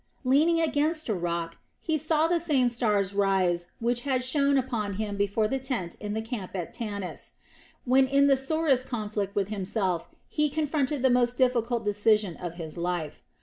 Leaning against a rock, he saw the same stars rise which had shone upon him before the tent in the camp at Tanis, when in the sorest conflict with himself he confronted the most difficult decision of his life.